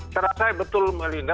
saya betul mbak linda